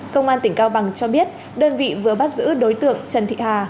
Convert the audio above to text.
công an tỉnh cao bằng cho biết đơn vị vừa bắt giữ đối tượng trần thị hà